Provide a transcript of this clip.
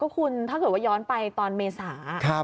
คุณถ้าเกิดว่าย้อนไปตอนเมษา